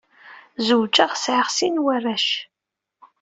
Zewǧeɣ, sɛiɣ sin n warrac.